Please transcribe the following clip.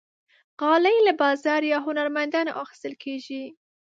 غالۍ له بازار یا هنرمندانو اخیستل کېږي.